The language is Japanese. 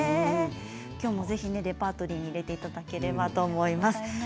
ぜひレパートリーに入れていただければと思います。